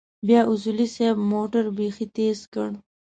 بيا اصولي صيب موټر بيخي تېز کړ.